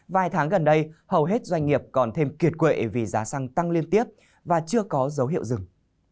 vài tháng gần đây hầu hết doanh nghiệp còn thêm kiệt quệ vì giá xăng tăng liên tiếp và chưa có dấu hiệu dừng